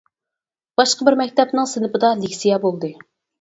باشقا بىر مەكتەپنىڭ سىنىپىدا لېكسىيە بولدى.